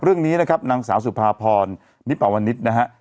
เรื่องนี้นะครับนางสาวสุภาพรนิปวนิษฐ์นะฮะ